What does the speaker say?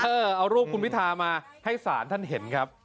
เอารูปคุณพิธามาให้ศาลท่านเห็นครับ